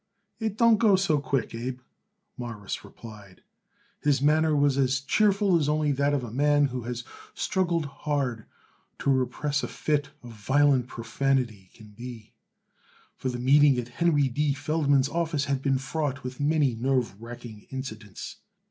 "It don't go so quick, Abe," Morris replied. His manner was as cheerful as only that of a man who has struggled hard to repress a fit of violent profanity can be for the meeting at Henry D. Feldman's office had been fraught with many nerve racking incidents.